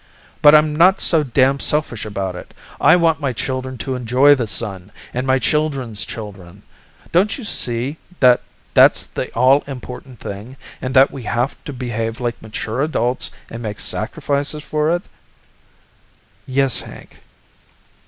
But I'm not so damn selfish about it. I want my children to enjoy the Sun, and my children's children. Don't you see that that's the all important thing and that we have to behave like mature adults and make sacrifices for it?" "Yes, Hank."